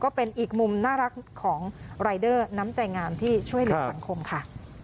ก็เป็นอีกมุมน่ารักของรายเดอร์น้ำใจงามที่ช่วยเหลือสังคมค่ะ